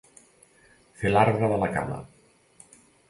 Fer l'arbre de la cama.